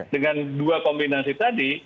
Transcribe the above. dengan dua kombinasi tadi